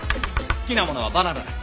好きなものはバナナです。